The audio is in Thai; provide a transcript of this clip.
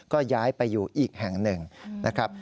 ก็ย้ายไปอยู่อีกแห่งหนึ่งนะครับ